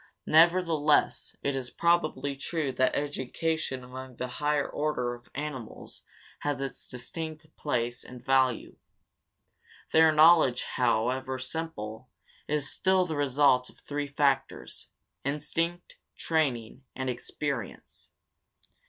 Nevertheless it is probably true that education among the higher order of animals has its distinct place and value. Their knowledge, however simple, is still the result of three factors: instinct, training, and experience.